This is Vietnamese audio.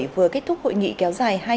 vừa kết thúc hội nghị kéo dài